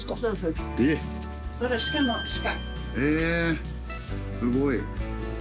へえすごい。